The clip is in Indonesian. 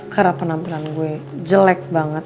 karena penampilan gue jelek banget